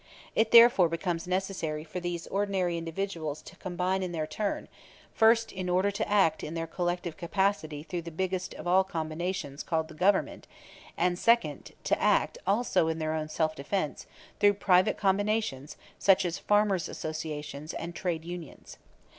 It therefore becomes necessary for these ordinary individuals to combine in their turn, first in order to act in their collective capacity through that biggest of all combinations called the Government, and second, to act, also in their own self defense, through private combinations, such as farmers' associations and trade unions.